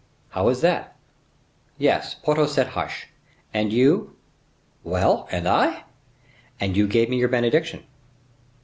"How is that?" "Yes, Porthos said hush! and you—" "Well! and I?" "And you gave me your benediction."